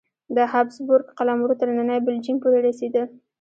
د هابسبورګ قلمرو تر ننني بلجیم پورې رسېده.